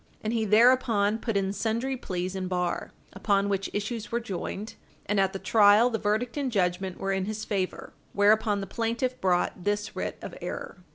And he thereupon put in sundry pleas in bar, upon which issues were joined, and at the trial the verdict and judgment were in his favor. Whereupon the plaintiff brought this writ of error.